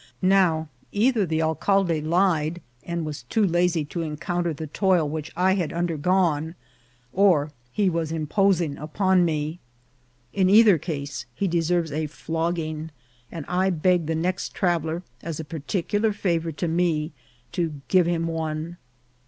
Now either the alcalde lied, and was too lazy to encounter the toil which I had undergone, or he was imposing upon me. In ei ther case he deserves a flogging, and I beg the next traveller, as a particular favour to me, to give him one.